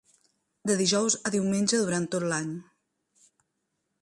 De dijous a diumenge durant tot l'any.